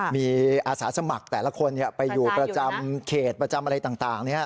มีอาสาสมัครแต่ละคนไปอยู่ประจำเขตประจำอะไรต่าง